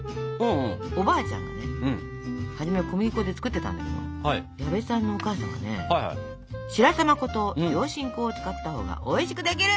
おばあちゃんがね初めは小麦粉で作ってたんだけど矢部さんのお母さんがね「白玉粉と上新粉を使ったほうがおいしくできる！」。